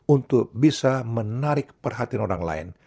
untuk bisa menarik perhatian orang lain